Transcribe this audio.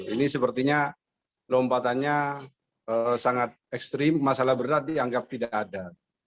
ini sepertinya lompatannya sangat ekstrim masalah berat dianggap tidak ada